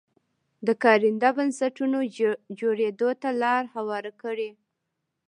د کارنده بنسټونو جوړېدو ته لار هواره کړي.